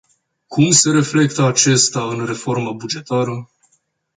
Cum se reflectă acestea în reforma bugetară?